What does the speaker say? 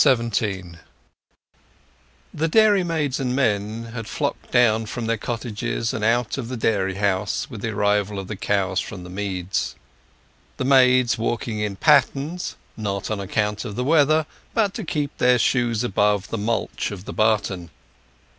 XVII The dairymaids and men had flocked down from their cottages and out of the dairy house with the arrival of the cows from the meads; the maids walking in pattens, not on account of the weather, but to keep their shoes above the mulch of the barton.